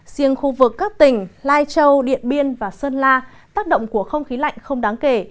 riêng khu vực các tỉnh lai châu điện biên và sơn la tác động của không khí lạnh không đáng kể